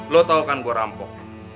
lo tau kan gue rampok